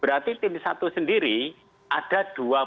berarti tim satu sendiri ada empat belas